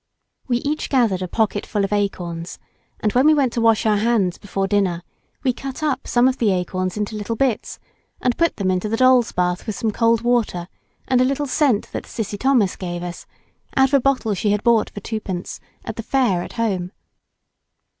We each gathered a pocketful of acorns, and when we went to wash our hands before dinner, we cut up some of the acorns into little bits, and put them into the doll's bath with some cold water and a little scent that Cissy Thomas gave us, out of a bottle she had bought for twopence at the fair at home.